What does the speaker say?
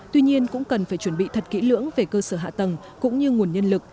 tuy nhiên cũng cần phải chuẩn bị thật kỹ lưỡng về cơ sở hạ tầng cũng như nguồn nhân lực